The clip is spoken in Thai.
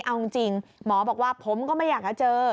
เอาจริงหมอบอกว่าผมก็ไม่อยากจะเจอ